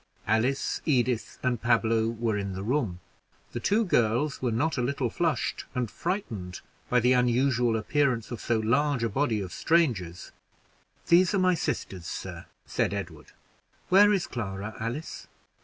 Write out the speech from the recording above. Alice, Edith, and Pablo were in the room; the two girls were not a little flushed and frightened by the unusual appearance of so large a party of strangers. "These are my sisters, sir," said Edward. "Where is Clara, Alice?"